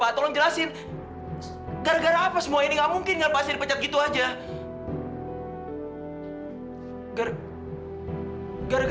andri ya ada apa andri ya